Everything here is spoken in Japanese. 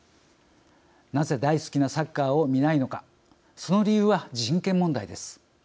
なぜ大好きなサッカーを見ないのかその理由は人権問題です。